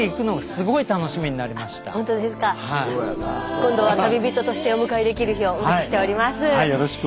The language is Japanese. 今度は旅人としてお迎えできる日をお待ちしております。